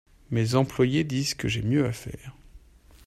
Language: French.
Mes employés disent que j'ai mieux à faire.